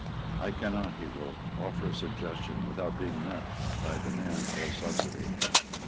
"I cannot," he wrote, "offer a suggestion without being met by a demand for a subsidy."